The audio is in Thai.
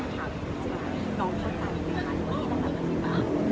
น้องพ่อต่างกับพี่ดิขาด้วยที่ต่างกับน้องดิขาด้วย